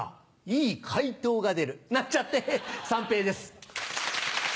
いいカイトウが出るなんちゃって三平です。